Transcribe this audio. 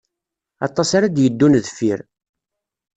Aṭas ara d-yeddun deffir.